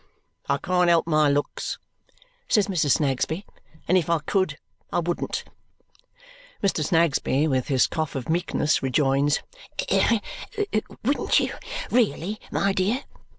"I can't help my looks," says Mrs. Snagsby, "and if I could I wouldn't." Mr. Snagsby, with his cough of meekness, rejoins, "Wouldn't you really, my dear?"